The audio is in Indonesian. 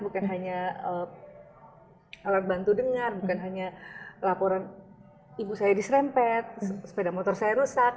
bukan hanya alat bantu dengar bukan hanya laporan ibu saya diserempet sepeda motor saya rusak